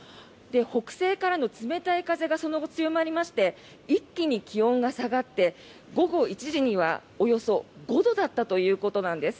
北西からの冷たい風がその後、強まりまして一気に気温が下がって午後１時にはおよそ５度だったということなんです。